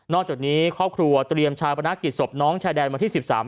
จากนี้ครอบครัวเตรียมชาวประนักกิจศพน้องชายแดนวันที่๑๓